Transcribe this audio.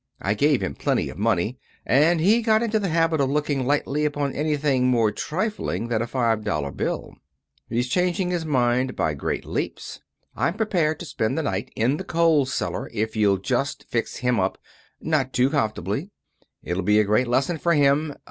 I gave him plenty of money, and he got into the habit of looking lightly upon anything more trifling than a five dollar bill. He's changing his mind by great leaps. I'm prepared to spend the night in the coal cellar if you'll just fix him up not too comfortably. It'll be a great lesson for him.